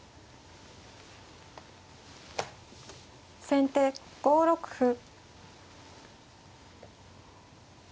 先手５六歩。